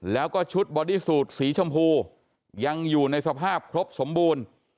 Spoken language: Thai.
แล้วก็ชุดบอดี้สูตรสีชมพูยังอยู่ในสภาพครบสมบูรณ์